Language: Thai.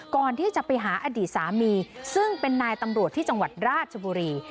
ก่อนที่จะไปหาอดีตสามีซึ่งเป็นนายตำรวจที่จังหวัดราชบุรี